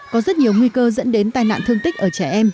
có rất nhiều nguy cơ dẫn đến tai nạn thương tích ở trẻ em